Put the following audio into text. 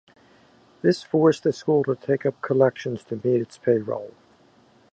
This forced the school to take up collections to meet its payroll.